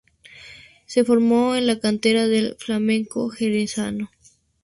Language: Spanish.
Se formó en la cantera del Flamenco jerezano.